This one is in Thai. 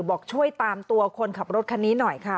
บอกช่วยตามตัวคนขับรถคันนี้หน่อยค่ะ